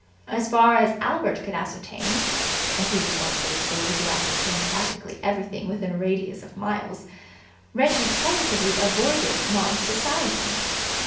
As far as Albert could ascertain and he was one of those boys who ascertain practically everything within a radius of miles Reggie positively avoided Maud's society.